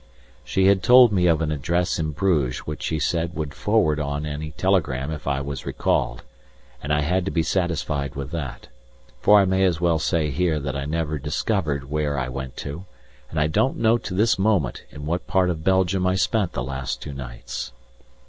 She had told me of an address in Bruges which she said would forward on any telegram if I was recalled, and I had to be satisfied with that, for I may as well say here that I never discovered where I went to, and I don't know to this moment in what part of Belgium I spent the last two nights.